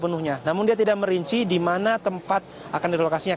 namun dia tidak merinci di mana tempat akan dilokasinya